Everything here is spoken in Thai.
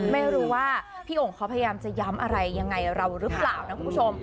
ไม่รู้ว่าพี่โอ่งเขาพยายามจะย้ำอะไรยังไงเราหรือเปล่านะคุณผู้ชม